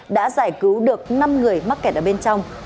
đã giải cứu được năm người mắc kẹt ở bên trong